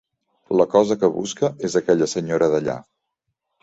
La cosa que busca és aquella senyora d'allà.